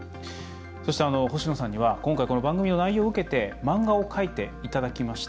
星野さんには今回番組の内容を受けて漫画を描いていただきました。